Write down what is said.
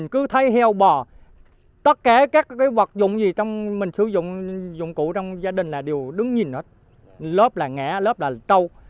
các vật dụng gì trong mình sử dụng dụng cụ trong gia đình là đều đứng nhìn hết lớp là ngã lớp là trâu